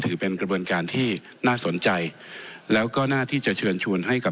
ถือเป็นกระบวนการที่น่าสนใจแล้วก็หน้าที่จะเชิญชวนให้กับ